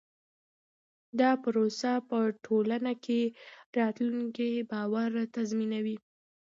دا پروسه په ټولنه کې راتلونکی باور تضمینوي.